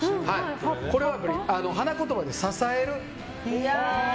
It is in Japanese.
これは花言葉で支える。